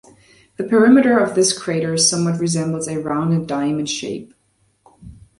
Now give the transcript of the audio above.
The perimeter of this crater somewhat resembles a rounded diamond shape.